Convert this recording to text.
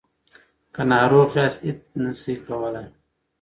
که ناروغ یاست هیڅ نشئ کولای.